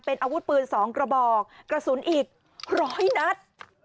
เป็นอาวุธปืน๒กระบอกกระสุนอีก๑๐๐นัด